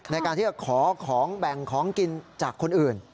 ในการที่จะขอของแบ่งของกินจากคนอื่น